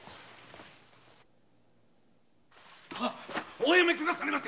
おやめくだされませ